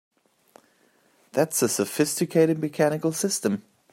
That's a sophisticated mechanical system!